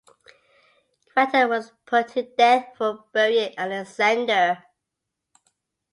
Grata was put to death for burying Alexander.